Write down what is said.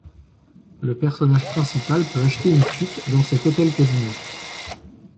Le personnage principal peut acheter une suite dans cet hôtel casino.